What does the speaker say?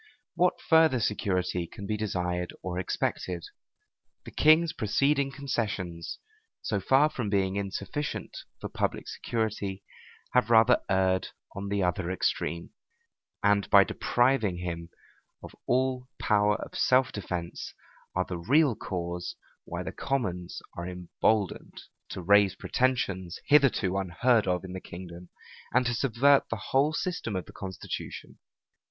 What further security can be desired or expected? The king's preceding concessions, so far from being insufficient for public security, have rather erred on the other extreme; and, by depriving him of all power of self defence, are the real cause why the commons are emboldened to raise pretensions hitherto unheard of in the kingdom, and to subvert the whole system of the constitution.